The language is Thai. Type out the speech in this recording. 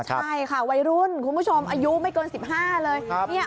ใช่ค่ะวัยรุ่นคุณผู้ชมอายุไม่เกิน๑๕เลย